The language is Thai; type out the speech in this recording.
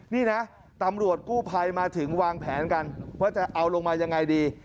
นี่นะตำรวจกู้ภัยมาถึงวางแผนกันว่าจะเอาลงมายังไงดี